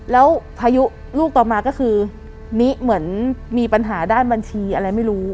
แล้วพายุลูกต่อมาก็คือนิเหมือนมีปัญหาด้านบัญชีอะไรไม่รู้